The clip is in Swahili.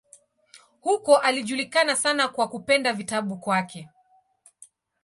Huko alijulikana sana kwa kupenda vitabu kwake.